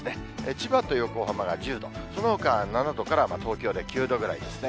千葉と横浜が１０度、そのほかは７度から、まあ、東京で９度ぐらいですね。